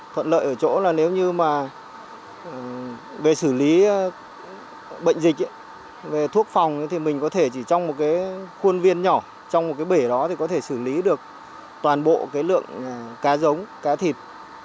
thuận lợi ở chỗ là nếu như mà về xử lý bệnh dịch về thuốc phòng thì mình có thể chỉ trong một cái khuôn viên nhỏ trong một cái bể đó thì có thể xử lý được toàn bộ cái lượng cá giống cá thịt